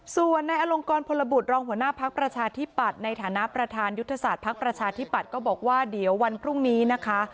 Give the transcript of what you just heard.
ส่วนในอลงกรพลบุตรรองหัวหน้าพักประชาธิปัตย์ในฐานะประธานยุทธศาสตร์ภักดิ์ประชาธิปัตย์ก็บอกว่าเดี๋ยววันพรุ่งนี้นะคะ